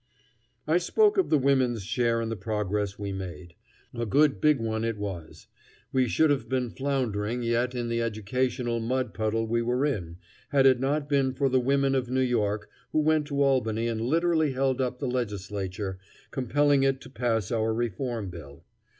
I spoke of the women's share in the progress we made. A good big one it was. We should have been floundering yet in the educational mud puddle we were in, had it not been for the women of New York who went to Albany and literally held up the Legislature, compelling it to pass our reform bill.